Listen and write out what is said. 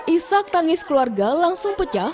isak tangis keluarga langsung pecah